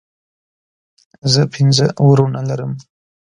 زه پنځه وروڼه لرم